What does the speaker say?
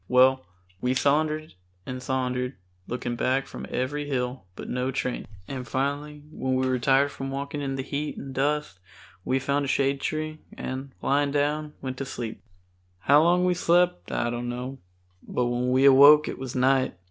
Well, we sauntered and sauntered, looking back from every hill, but no train, and finally when we were tired from walking in the heat and dust we found a shade tree, and, laying down, went to sleep. How long we slept I don't know, but when we awoke it was night.